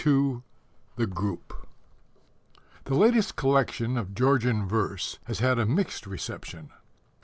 (2) THE GROUP The latest collection of Georgian verse has had a mixed reception.